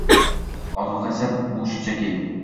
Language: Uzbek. Ozuqa esa — bu shunchaki…